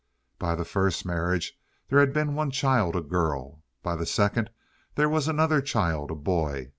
By the first marriage there had been one child, a girl. By the second there was another child, a boy.